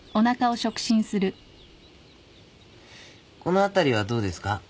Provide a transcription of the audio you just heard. この辺りはどうですか？